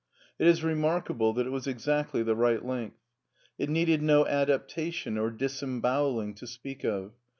It is remarkable that it was exactly the right length. It needed no adaptation or disembowelling to speak of.